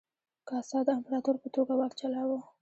کاسا د امپراتور په توګه واک چلاوه.